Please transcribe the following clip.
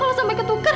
tidak ada yang ketukar